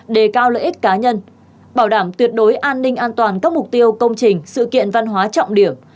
đề cao lợi ích cá nhân bảo đảm tuyệt đối an ninh an toàn các mục tiêu công trình sự kiện văn hóa trọng điểm